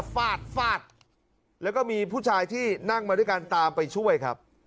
ฟาดฟาดแล้วก็มีผู้ชายที่นั่งมาด้วยกันตามไปช่วยครับ